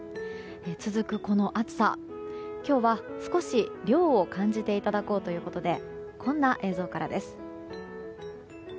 続く暑さ、今日は涼を感じていただこうということでこんな映像からです。